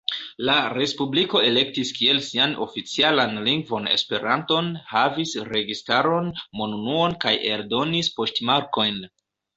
La ”respubliko” elektis kiel sian oficialan lingvon Esperanton, havis registaron, monunuon kaj eldonis poŝtmarkojn.